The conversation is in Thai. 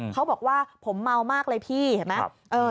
เขาบอกว่าผมเมามากเลยพี่เห็นไหม